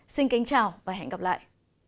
xin kính chào và hẹn gặp lại